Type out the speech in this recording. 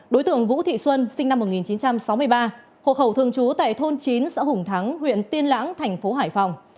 đối tượng vũ thị xuân sinh năm một nghìn chín trăm sáu mươi ba hộ khẩu thường trú tại thôn chín xã hùng thắng huyện tiên lãng thành phố hải phòng